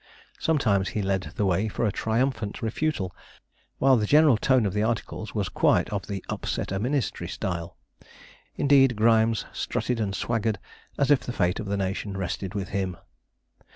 Sometimes he led the way for a triumphant refutal, while the general tone of the articles was quite of the 'upset a ministry' style. Indeed, Grimes strutted and swaggered as if the fate of the nation rested with him.